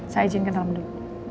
saya izinkan dalam dulu